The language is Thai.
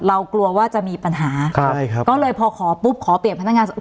กลัวว่าจะมีปัญหาครับใช่ครับก็เลยพอขอปุ๊บขอเปลี่ยนพนักงาน